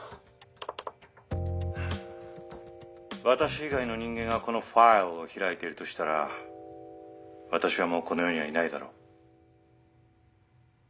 私以外の人間がこのファイルを開いているとしたら私はもうこの世にはいないだろう。